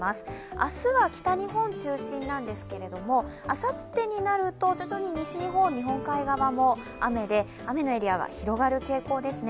明日は北日本中心なんですけれどもあさってになると徐々に西日本、日本海側も雨で、雨のエリアが広がる傾向ですね。